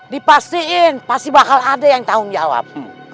dipastiin pasti bakal ada yang tau njawab